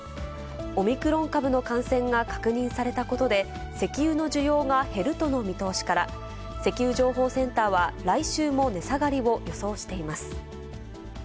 オミクロン株の感染が確認されたことで、石油の需要が減るとの見通しから、石油情報センターは来週も値下がりを予想しています。